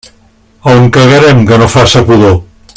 A on cagarem que no faça pudor?